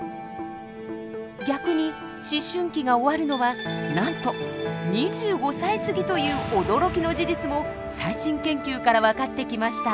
逆に思春期が終わるのはなんと２５歳過ぎという驚きの事実も最新研究から分かってきました。